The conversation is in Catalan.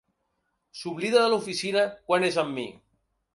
S'oblida de l'oficina quan és amb mi.